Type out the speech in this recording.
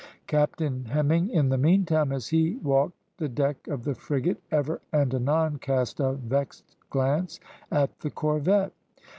Captain Hemming, in the meantime, as he walked the deck of the frigate, ever and anon cast a vexed glance at the corvette.